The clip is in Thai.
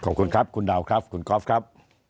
ขอบคุณครับคุณดาวครับคุณก๊อฟครับ